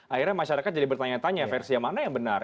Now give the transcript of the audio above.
akhirnya masyarakat jadi bertanya tanya versi yang mana yang benar